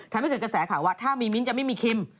ทำให้เกิดกระแสข่าวว่าถ้ามีมิ้นท์จะไม่มีคิม